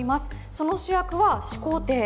その主役は始皇帝。